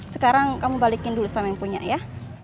sekarang kamu balikin dulu sama yang punya ya